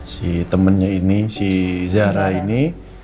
si temennya ini si zara ini